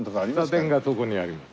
喫茶店がそこにあります。